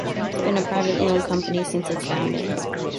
It's been a privately owned company since its founding.